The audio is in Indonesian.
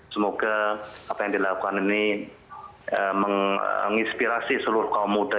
semoga apa yang dilakukan ini menginspirasi seluruh kaum muda